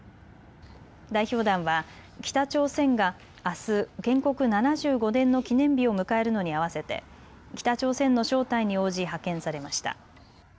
代表団は北朝鮮があす建国７５年の記念日を迎えるのに合わせて北朝鮮の招待に応じ派遣されました。